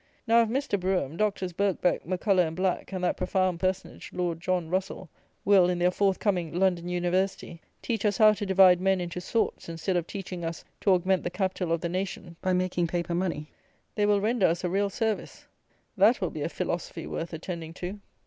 Now, if Mr. Brougham, Doctors Birkbeck, Macculloch and Black, and that profound personage, Lord John Russell, will, in their forth coming "London University," teach us how to divide men into sorts, instead of teaching us to "augment the capital of the nation," by making paper money, they will render us a real service. That will be feelosofy worth attending to.